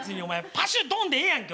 パシュドンでええやんけ。